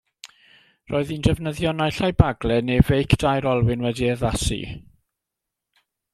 Roedd hi'n defnyddio naill ai baglau neu feic dair olwyn wedi'i addasu.